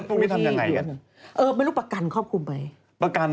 รถพวกมีทำอย่างไรกันเออไม่รู้ประกันครอบครุมไหม